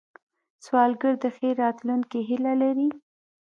سوالګر د ښې راتلونکې هیله لري